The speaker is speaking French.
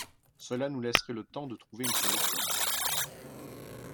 Cela nous laisserait le temps de trouver une solution